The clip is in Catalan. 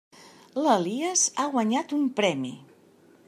L'Elies ha guanyat un premi!